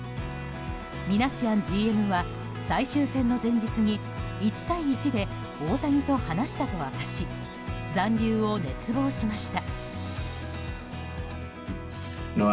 ミナシアンＧＭは最終戦の前日に１対１で大谷と話したと明かし残留を熱望しました。